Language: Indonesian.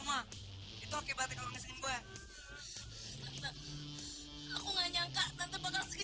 tapi aku gak mungkin menikah dengan orang yang gak aku cintai